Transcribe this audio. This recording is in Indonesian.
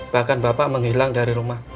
bahkan bapak menghilang dari rumah